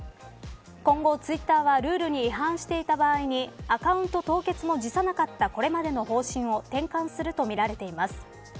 今後、ツイッターはルールに違反した場合にアカウント凍結も辞さなかったこれまでの方針を転換するとみられています。